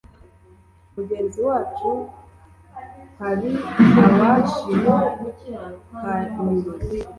murengezi wacu, hari abashikamiwe